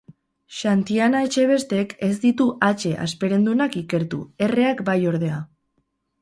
Xantiana Etxebestek ez ditu hatxe hasperendunak ikertu, erreak bai ordea.